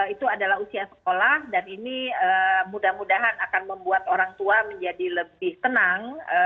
itu adalah usia sekolah dan ini mudah mudahan akan membuat orang tua menjadi lebih tenang